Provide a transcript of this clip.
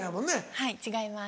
はい違います。